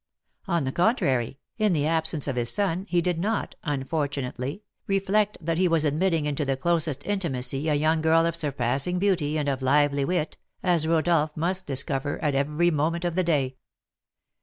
On the contrary, in the absence of his son, he did not, unfortunately, reflect that he was admitting into the closest intimacy a young girl of surpassing beauty, and of lively wit, as Rodolph must discover at every moment of the day.